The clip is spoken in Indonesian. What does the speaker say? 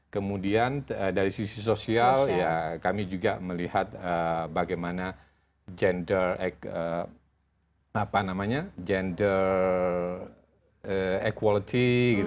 kemudian dari sisi sosial ya kami juga melihat bagaimana gender equality